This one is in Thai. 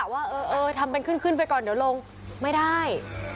ว่าเออทำเป็นขึ้นไปก่อนเดี๋ยวลงไม่ได้